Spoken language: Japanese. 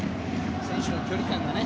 選手の距離感がね。